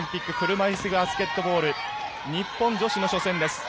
車いすバスケットボール日本女子の初戦です。